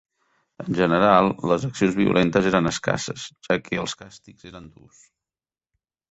En general, les accions violentes eren escasses, ja que els càstigs eren durs.